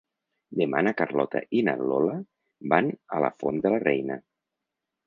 Demà na Carlota i na Lola van a la Font de la Reina.